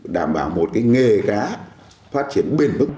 đảm bảo một nghề cá phát triển bền mức